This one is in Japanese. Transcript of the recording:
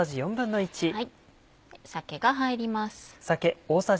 酒が入ります。